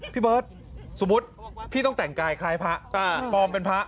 พี่เบิร์ตสมมุติพี่ต้องแต่งกายคล้ายพระปลอมเป็นพระ